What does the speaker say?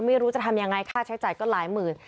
ไม่รู้จะทำยังไงค่าใช้จ่ายก็หลายหมื่น